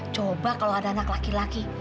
coba kalau ada anak laki laki